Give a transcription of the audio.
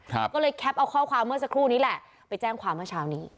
ก็เลยแคปเอาข้อความเมื่อสักครู่นี้แหละไปแจ้งความเมื่อเช้านี้